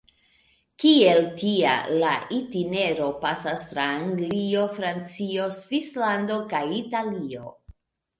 Kiel tia, la itinero pasas tra Anglio, Francio, Svislando kaj Italio.